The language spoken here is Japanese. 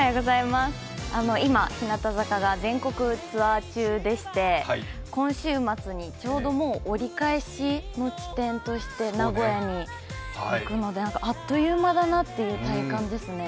今、日向坂が全国ツアー中でして今週末にちょうど折り返しの地点として名古屋に行くので、あっという間だなという体感ですね。